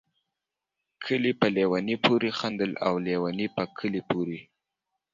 کلي په ليوني پوري خندل ، او ليوني په کلي پوري